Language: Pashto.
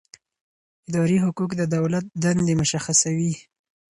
اداري حقوق د دولت دندې مشخصوي.